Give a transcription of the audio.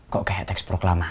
kok kayak teks proklamasi